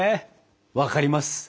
分かります。